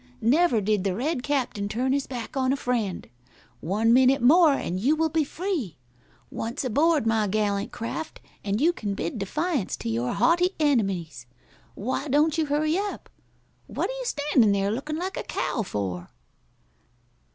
Never did the Red Captain turn his back on a friend. One minute more and you will be free. Once aboard my gallant craft and you can bid defiance to your haughty enemies. Why don't you hurry up? What are you standin' there lookin' like a cow for?"